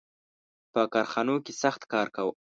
• په کارخانو کې سخت کار و.